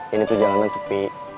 ini tuh jalanan sepi